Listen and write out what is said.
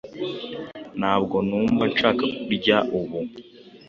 Ntabwo numva nshaka kurya ubu.